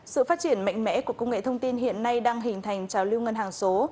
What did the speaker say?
sự phát triển mạnh mẽ của công nghệ thông tin hiện nay đang hình thành trào lưu ngân hàng số